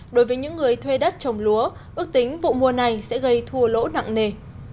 đối với những người thuê đất trồng lúa ước tính vụ mùa này sẽ gây thua lỗ nặng nề